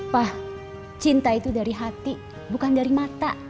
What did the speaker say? wah cinta itu dari hati bukan dari mata